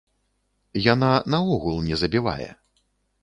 Яна наогул не забівае.